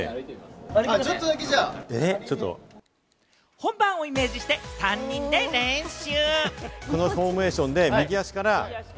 本番をイメージして３人で練習。